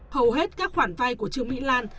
hầu hết các khoản vay của trương mỹ lan